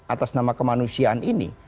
atas nama kemanusiaan ini